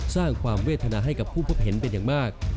สร้างความเวทนาให้กับผู้พบเห็นเป็นอย่างมาก